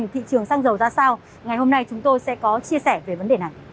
thị trường xăng dầu ra sao ngày hôm nay chúng tôi sẽ có chia sẻ về vấn đề này